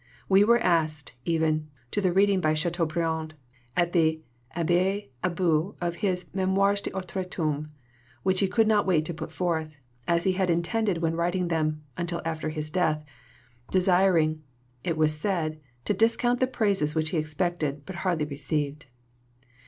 We were asked, even, to the reading by Chateaubriand, at the Abbaye au Bois, of his Mémoires d'Outre Tombe, which he could not wait to put forth, as he had intended when writing them, until after his death desiring, it was said, to discount the praises which he expected, but hardly received.